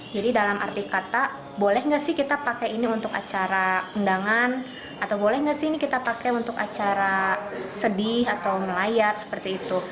jadi dalam arti kata boleh nggak sih kita pakai ini untuk acara undangan atau boleh nggak sih ini kita pakai untuk acara sedih atau melayat seperti itu